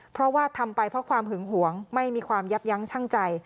เพราะว่าทำไปเพราะความหึงหวงไม่มีความยับยั้งชั่งใจ